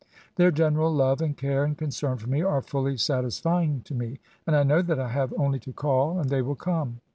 Their general love, and care and concern for me, are fully satis fying to me ; and I know that I have only to call and they wiU come.